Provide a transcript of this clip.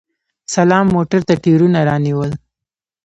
سلام موټر ته ټیرونه رانیول!